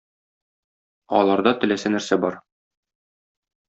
Аларда теләсә нәрсә бар.